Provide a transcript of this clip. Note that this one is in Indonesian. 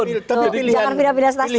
jangan pindah pindah stasiun